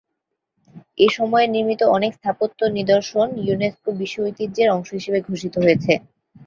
এসময়ে নির্মিত অনেক স্থাপত্য নিদর্শন ইউনেস্কো বিশ্ব ঐতিহ্যের অংশ হিসেবে ঘোষিত হয়েছে।